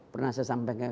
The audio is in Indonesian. pernah saya sampaikan